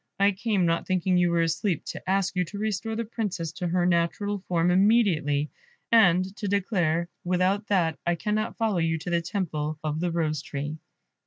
I came, not thinking you were asleep, to ask you to restore the Princess to her natural form immediately, and to declare, without that, I cannot follow you to the temple of the rose tree."